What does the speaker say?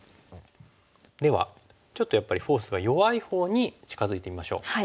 ではちょっとやっぱりフォースが弱いほうに近づいてみましょう。